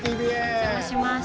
お邪魔します。